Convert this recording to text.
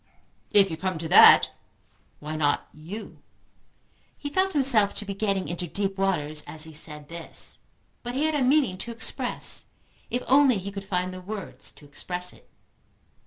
"If you come to that, why not you?" He felt himself to be getting into deep waters as he said this, but he had a meaning to express if only he could find the words to express it.